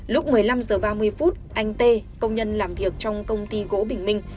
lúc một mươi năm h ba mươi phút anh tê công nhân làm việc trong công ty gỗ bình minh